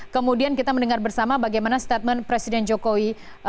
kemudian kita mendengar bersama bagaimana statement presiden jokowi